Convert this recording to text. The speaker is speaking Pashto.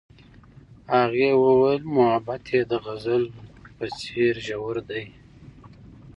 هغې وویل محبت یې د غزل په څېر ژور دی.